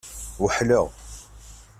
Weḥleɣ.